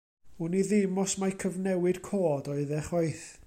Wn i ddim os mai cyfnewid cod oedd e chwaith.